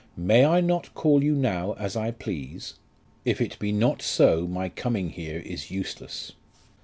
"May I not call you now as I please? If it be not so my coming here is useless.